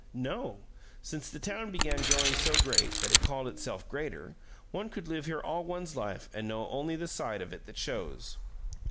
"No. Since the town began growing so great that it called itself 'greater,' one could live here all one's life and know only the side of it that shows."